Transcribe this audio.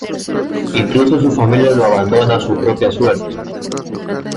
Incluso su familia lo abandona a su propia suerte.